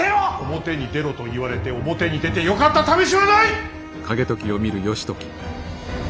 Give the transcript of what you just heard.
表に出ろと言われて表に出てよかったためしはない！